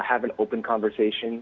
kita harus mengerti kita harus